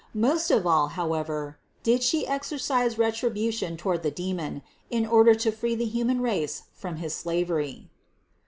Most of all however did She exercise retribution toward the demon, in order to free the human race from his slavery.